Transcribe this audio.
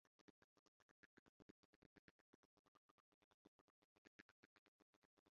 Mugitondo ku kazuba kumuseso nikuyeho ishuka